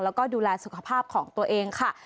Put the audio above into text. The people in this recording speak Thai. แล้วก็ดูแลสุขภาพของตัวเองค่ะ